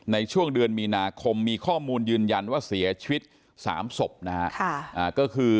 ในช่วงเดือนมีนาคมมีข้อมูลยืนยันว่าเสียชีวิต๓ศพนะฮะก็คือ